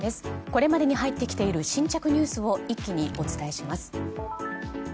これまでに入ってきている新着ニュースを一気にお伝えします。